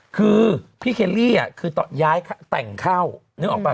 คือพี่เคลลี่คือตอนย้ายแต่งเข้านึกออกป่